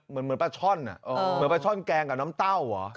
เหมือนปลาช่อนเหมือนปลาช่อนแกงกับน้ำเต้าเหรอ